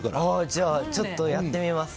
じゃあ、ちょっとやってみます